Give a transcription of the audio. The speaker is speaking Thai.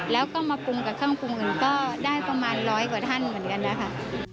แล้วก็มาคุมกับเครื่องปรุงอื่นก็ได้ประมาณร้อยกว่าท่านเหมือนกันนะคะ